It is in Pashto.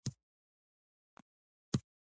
شونډه ښکلې دي.